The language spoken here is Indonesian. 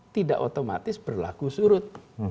tidak otomatis berlaku surut